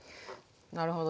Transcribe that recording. なるほど。